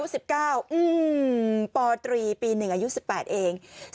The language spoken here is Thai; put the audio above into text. ปตรีปี๑อายุ๑๘เอง